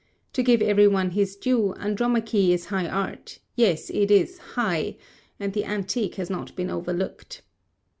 To give every one his due, "Andromache" is high art—yes, it is high—and the Antique has not been overlooked.